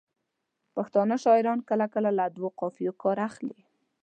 پښتانه شاعران کله کله له دوو قافیو کار اخلي.